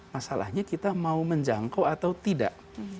masalahnya kita mau menjangkau atau tidak